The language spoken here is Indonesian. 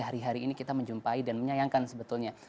hari hari ini kita menjumpai dan menyayangkan sebetulnya